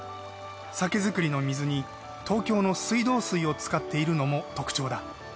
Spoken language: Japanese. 酒造りの水に東京の水道水を使っているのも特徴だ。